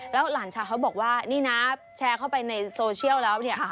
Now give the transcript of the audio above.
แล้วหลานชายเขาบอกว่านี่นะแชร์เข้าไปในโซเชียลแล้วเนี่ย